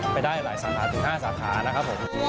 ไปได้หลายสาขาถึง๕สาขานะครับผม